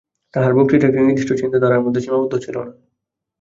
তাঁহার বক্তৃতা একটি নির্দিষ্ট চিন্তাধারার মধ্যে সীমাবদ্ধ ছিল না।